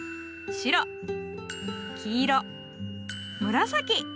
白黄色紫。